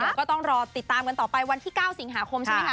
ก็ต้องรอติดตามกันต่อไปวันที่๙สิงหาคมใช่ไหมคะ